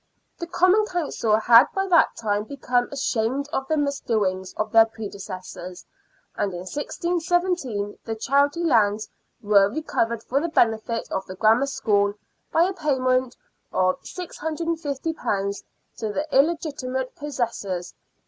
The Common Council had by that time become ashamed of the misdoings of their predecessors, and in 1617 the charity lands were recovered for the benefit of the Grammar School by a payment of £650 to the illegitimate possessors.